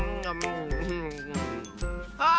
ああ！